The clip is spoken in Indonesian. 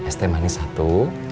sete manis satu